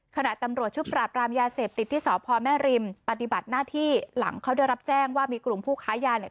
ขณะตำรวจชุดปราบรามยาเสพติดที่สพแม่ริมปฏิบัติหน้าที่หลังเขาได้รับแจ้งว่ามีกลุ่มผู้ค้ายาเนี่ย